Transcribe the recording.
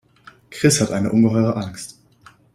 Chris hat eine ungeheure Angst.